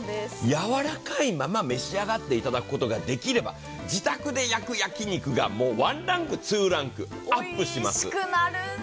やわらかいまま召し上がっていただくことができれば自宅で焼く焼き肉が１ランク、２ランクアップします。